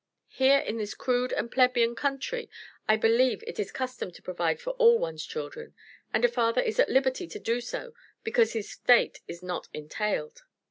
Here, in this crude and plebeian country, I believe it is the custom to provide for all one's children, and a father is at liberty to do so because his estate is not entailed."